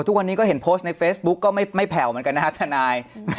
ทุกวันนี้ก็เห็นโพสต์ในเฟซบุ๊กก็ไม่แผ่วเหมือนกันนะครับทนาย